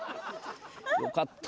よかった。